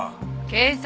警察。